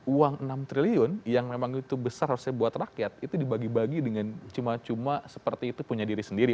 uang enam triliun yang memang itu besar harusnya buat rakyat itu dibagi bagi dengan cuma cuma seperti itu punya diri sendiri